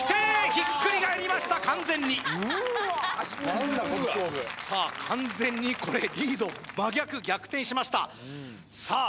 ひっくり返りました完全にうわさあ完全にこれリード真逆逆転しましたさあ